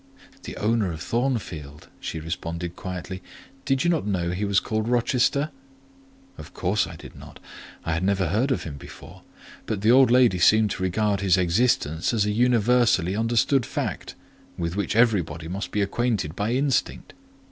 "The owner of Thornfield," she responded quietly. "Did you not know he was called Rochester?" Of course I did not—I had never heard of him before; but the old lady seemed to regard his existence as a universally understood fact, with which everybody must be acquainted by instinct.